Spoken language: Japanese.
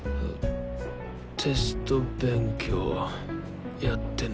テスト勉強やってない。